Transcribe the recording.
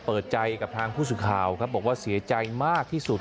เปิดใจกับทางผู้สื่อข่าวครับบอกว่าเสียใจมากที่สุด